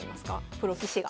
プロ棋士が。